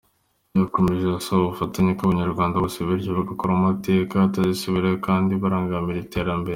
Yakomeje asaba ubufatanye ku banyarwanda bose, bityo bagakora amateka atazisubiramo kandi barangamira iterambere.